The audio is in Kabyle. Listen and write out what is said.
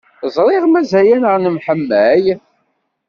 Ẓriɣ mazal-aneɣ nemḥemmal.